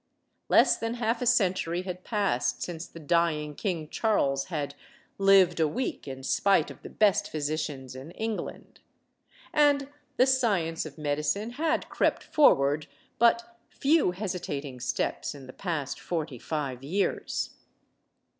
Less than half a century had passed since the dying King Charles had "lived a week in spite of the best physicians in England." And the science of medicine had crept forward but few hesitating steps in the past forty five years.